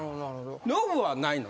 ノブはないの？